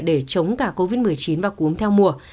để chống cả covid một mươi chín và cúm theo mùa